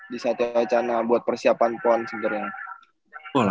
di satya waitana buat persiapan pon sebenernya